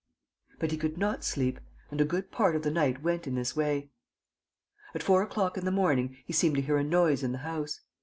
But he could not sleep; and a good part of the night went in this way. At four o'clock in the morning he seemed to hear a noise in the house.